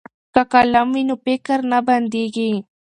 که قلم وي نو فکر نه بندیږي.